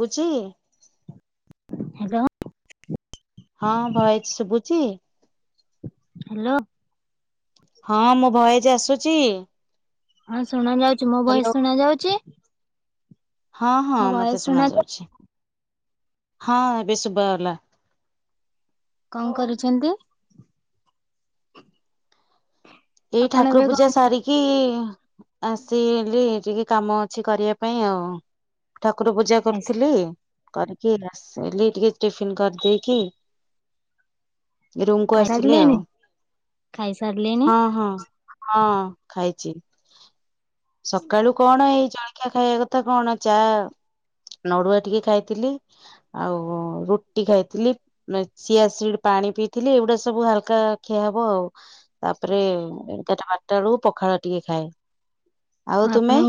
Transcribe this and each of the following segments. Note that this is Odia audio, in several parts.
ବୁଚି ଇ। ହାଲୋ। ହଁ ଭଏଜ୍ ଶୁବୁଚି। ଯାଲୋ। ହଁ ମୋ ଭଏଜ୍ ଆସୁଚି। ଆଁ ଶୁଣା ଯାଉଛି ମୋ ବଏସ ଶୁଣା ଯାଉଚି? ହଁ ହଁ ମତେ ଶୁଣା ଯାଉଛି। ହଁ ଏବେ ଶୁଭା ହେଲା। କଣ କରୁଛନ୍ତି। ଏଇ ଆପଣ ଠାକୁର ଏବେ କଣ ପୂଜା ସାରିକି। ଆସିଲି ଟିକେ କାମ ଅଛି କରିବା ପାଇଁ ଆଉ। ଠାକୁର ପୂଜା କରିଥିଲି। କରିକି ଆସିଲି ଟିକେ ଟିଫିନ କରିଦେଇକି। ରୁମ କୁ ଖାଇ ଆସିଲି ସାରିଲଣିି ଆଉ ଖାଇ ସାରିଲେଣିି। ହଁ ହଁ ହଁ ଖାଇଛି। ସକାଳୁ କଣ ଏଇ ଜଳି ଜଳଖିଆ ଖାଇବା କଥା କଣ ଚା ନଡୁଆ ଟିକେ ଖାଇଥିଲି। ଆଉ ରୁଟି ଖାଇଥିଲି ଚିଆସିଡ ପାଣି ପିଇଥିଲି ଏଇଗୁଡା ସବୁ ହାଲକା ଖିଆ ହବ ଆଉ। ତାପରେ [unintelligible] ପଖାଳ ଟିକେ ଖାଏ। ଆଉ ତୁମେ? ଆପଣ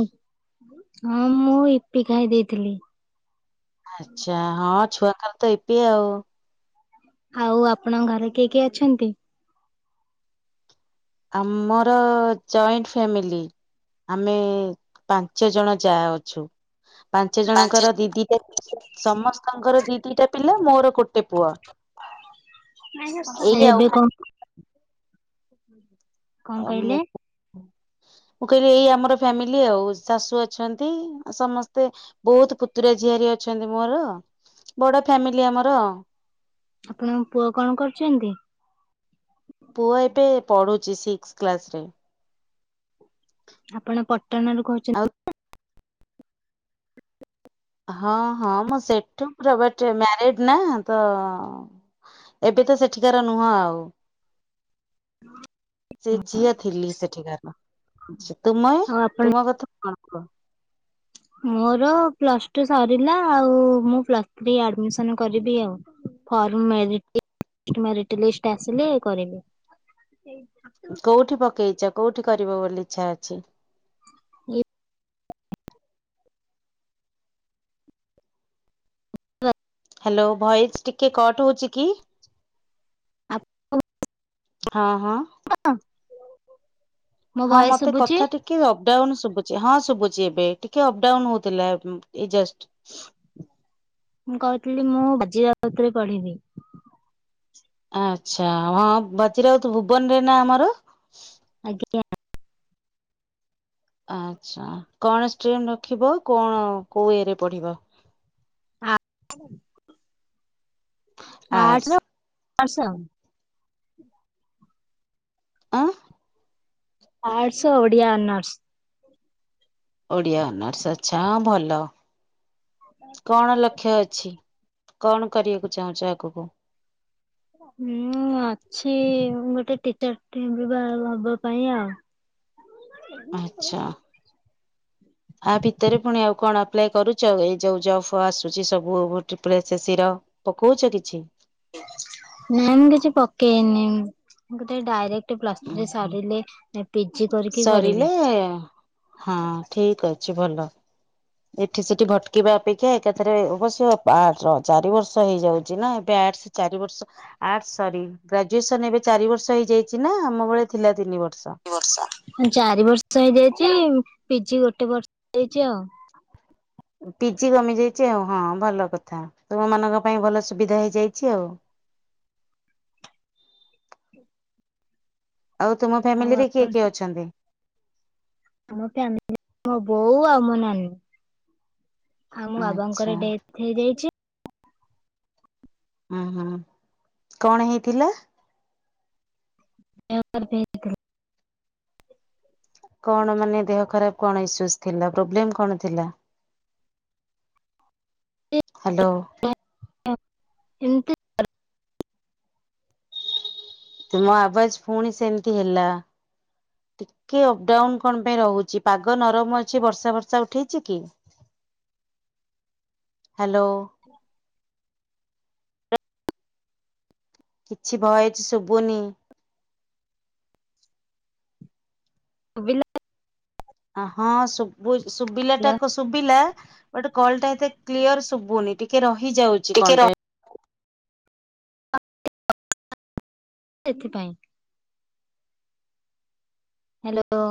ହଁ ମୁଁ ଇପି ଖାଇ ଦେଇଥିଲି। ଆଚ୍ଛା ହଁ। ଛୁଆଙ୍କର ତ ୟିପି ଆଉ। ଆଉ ଆପଣଙ୍କ ଘରେ କିଏ କିଏ ଅଛନ୍ତି। ଆମର ଜଏଣ୍ଟ ଫ୍ୟାମିଲି ଆମେ ପାଞ୍ଚ ଜଣ ଯା ଅଛୁ। ପାଞ୍ଚ ଜଣଙ୍କର ଦି ଦିଟା ସମସ୍ତଙ୍କର ଦି ଦିଟା ପିଲା। ମୋର କୁଟ ଏଇ ଆଉ ଏବେ କଣ। କଣ ଆ କହିଲେ ମୁଁ। ମୁଁ କହିଲି ଏଇ ଆମର ଫ୍ୟାମିଲି ଆଉ ଶାଶୁ ଅଛନ୍ତି ସମସ୍ତେ ବହୁତ ପୁତୁରା ଝିଆରିି ଅଛନ୍ତି ମୋର ବଡ ଫ୍ୟାମିଲି ଆମର। ଆପଣଙ୍କ ପୁଅ କଣ କରୁଛନ୍ତି? ପୁଅ ଏବେ ପଢୁଛି ସିକ୍ସ କ୍ଲାସରେ। ଆପଣ ପଟଣାରୁ କହୁଛନ୍ତି। ହଁ ହଁ ମୁଁ ସେଠୁ ବଟ ମ୍ୟାରିଡ ନା ତ ଏବେ ତ ସେଠିକାର ନୁହଁ ଆଉ। ହ [inaudible] ସେ ଝିଅ ଥିଲି ସେଠିକାର। [unintelligible] ତୁମେ ଆଉ ଆପଣ ତୁମ କଥା କଣ? [unintelligible] ମୋର ପ୍ଲସ୍ ଟୁ ସରିଲା। ଆଉ ମୁଁ ପ୍ଲସ୍ ଥ୍ରୀ ଆଡମିସନ କରିବି ଆଉ ଫର୍ମ ମେରିଟ ଲିଷ୍ଟ ଆସିଲେ କରିବି। କୋଉଠି ପ- ପକେଇଚ କୋଉଠି କରିବ ବୋଲି ଇଚ୍ଛା ଅଛି? ହ୍ୟାଲୋ ଭଏସ ଟିକେ କଟ ହଉଚିକି? [unintelligible] ହଁ। ହଁ [unintelligible] ମୋ ହଁ ଭଏସ ମତେ ଶୁଭୁଛି କଥା ଟିକେ ଅପଡାଉନ ଶୁଭୁଛି ହଁ ଶୁଭୁଛି ଏବେ। ଟିକେ ଅପଡାଉନ ହଉଥିଲା ଏଇ ଜଷ୍ଟ। ମୁଁ କହୁଥିଲି ମୁଁ [unintelligible] ବାଉତରେ ପଢିବି। ଆଚ୍ଛା ହଁ ବାଜିରାଉତ ଭୁବନ ରେ ନା ଆମର? ଆଛା କଣ ଷ୍ଟ୍ରିମ୍ ରଖିବ କଣ କୋଉ ଇଏରେ ପଢିବ? [inaudible] ଆର୍ଟସ ଆର୍ଟ୍ସନା [unintelligible] ଆଁ arts Odia honours. Odia honours ଆଚ୍ଛା ହଁ ଭଲ। କଣ ଲକ୍ଷ୍ୟ ଅଛି କଣ କରିବାକୁ ଚାହୁଁଛ ଆଗକୁ? ମୁଁ ଅଛି ଗୋଟେ ଟିଚ [unintelligible] ପାଇଁ ଆଉ। ଆଛା। ଆ ଭିତରେ ପୁଣି ଆଉ କଣ ଆପ୍ଲାଏ କରୁଚ ଏଇ ଯୋଉ ଜବ ଆସୁଛି ସବୁ [unintelligible] ପକଉ କିଛି? ନାଇଁ ମୁଁ କିଛି ପକେଇନି ଗୋଟେ ଡାଇରେକ୍ଟ ଉଁ ହୁଁ ପ୍ଲସଥିରିସାରିଲେ ପି ସରିଲେ ହଁ ଠିକ ଅଛି। ଅଛି ଭଲ। ଏଠି ସେଠି ଭଟକିବା ଅପେକ୍ଷା ଏକାଥରେ ଅବଶ୍ୟ ଚାରି ବର୍ଷ ହେଇଯାଉଚିନା ଅର୍ଟାସ ଚାର ବର୍ଷ ଅର୍ଟସ ସାରି ଗ୍ରାଜୁଏସନ ଏବେ ଚାରି ବର୍ଷ ହେଇଯାଇଚିନା ଆମ ବଳେ ଥିଲା ତିନି ବ ଚାରି ବର୍ଷ ହେଇଯାଇଚି। ପିଜି ଗୋଟେ ବର୍ଷ ହେଇଚି ଆଉ। ପିଜି କମି ଯାଇଛି ଆଉ ହଁ ଭଲ କଥା ତୁମ ମାନଙ୍କ ପାଇଁ ଭଲ ସୁବିଧା ହେଇଯାଇଛି ଆଉ। ଆଉ ତୁମ ଆଉ ଫ୍ୟାମିଲିରେ କିଏ କିଏ ଅଛନ୍ତି? ଆମ ଫ୍ୟାମିଲି ବଉ ଆଉ ମୋ ନାନୀ। ଆଉମୋ ଆଚ୍ଛା ବାବାଙ୍କର ଡେଥ ହେଇଯାଇଚି। ଅଂହ କଣ ହେଇଥିଲା? [unintelligible] କଣ ମାନେ ଦେହ ଖରାପ କଣ ଇସୂଜ ଥିଲା ପ୍ରୋବ୍ଲମ୍ କଣ ଥିଲା? ହାଲୋ? ଏମତି [unintelligible] ତୁମ ଆବାଜ ପୁଣି ସେମିତି ହେଲା ଟିକେ ଅପଡାଉନ କଣ ପାଇଁ ରହୁଛି ପାଗ ନରମ ଅଛି ବର୍ଷା ବର୍ଷା ଉଠେଇଛି କି ହାଲୋ। କିଛି ଭୟସ ଶୁଭୁନି। ସୁଭିଲା? ଅ ହଁ ସବୁ ଶୁଭିଲା ଟା ହାଲୋ କ ଶୁଭିଲା? ଗୋଟେ କଲ ଟା ଏତେ କ୍ଲିୟର ଶୁଭୁନି ଟିକେ ରହି ହେ ଯାଉଛି କଣ ପାଇଁ? ସେଥିପାଇଁ? ହାଲୋ